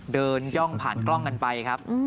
ย่องผ่านกล้องกันไปครับ